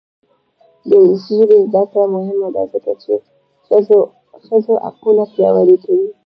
د انګلیسي ژبې زده کړه مهمه ده ځکه چې ښځو حقونه پیاوړي کوي.